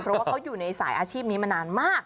เพราะว่าเขาอยู่ในสายอาชีพนี้มานานมาก